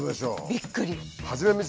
びっくり。